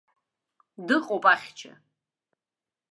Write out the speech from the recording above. Дыҟоуп ахьча.